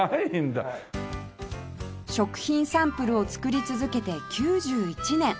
食品サンプルを作り続けて９１年